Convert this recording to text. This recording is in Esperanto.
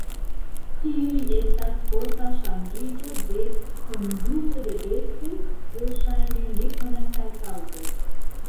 Tiuj estas forta ŝanĝiĝo de konduto de bestoj, pro ŝajne nekonataj kaŭzoj.